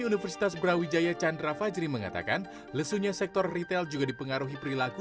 universitas brawijaya chandra fajri mengatakan lesunya sektor retail juga dipengaruhi perilaku